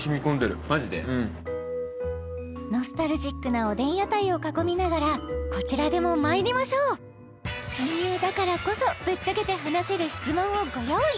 うんノスタルジックなおでん屋台を囲みながらこちらでもまいりましょう親友だからこそぶっちゃけて話せる質問をご用意